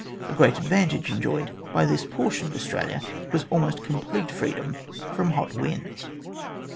A great advantage enjoyed by this portion of Australia was almost complete freedom from hot winds.